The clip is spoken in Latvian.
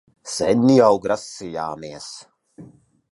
Sen jau grasījāmies...